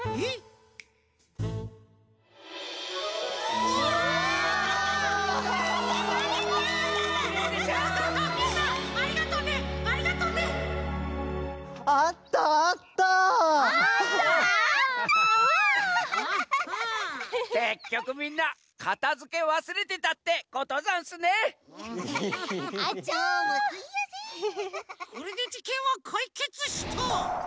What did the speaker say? これでじけんはかいけつした！